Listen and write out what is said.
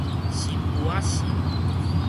新婦仔神